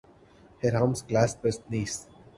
Her arms clasped his knees.